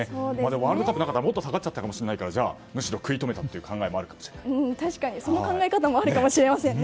ワールドカップがなかったらもっと下がっちゃったかもしれないからむしろ食い止めたという確かにその考え方もあるかもしれませんね。